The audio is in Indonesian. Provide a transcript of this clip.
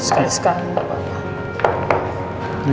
sekali sekala gak apa apa